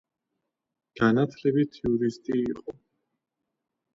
განათლებით იურისტი იყო.